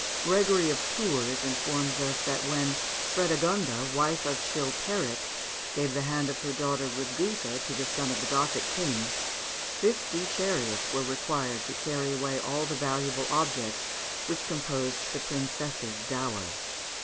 Gregory of Tours informs us, that when Frédégonde, wife of Chilpéric, gave the hand of her daughter Rigouthe to the son of the Gothic king, fifty chariots were required to carry away all the valuable objects which composed the princess's dower.